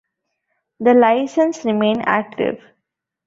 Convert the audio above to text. The license remained active.